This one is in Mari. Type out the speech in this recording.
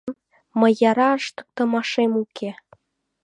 Мый яра ыштыктымашем уке.